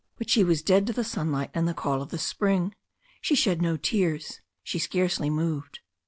But she was dead to the sunlight and the call of the spring. She shed no tears. She scarcely moved.